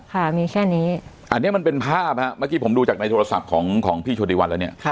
ค่ะมีแค่นี้อันนี้มันเป็นภาพฮะเมื่อกี้ผมดูจากในโทรศัพท์ของพี่โชติวันแล้วเนี่ย